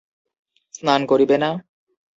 স্নান করিবে না?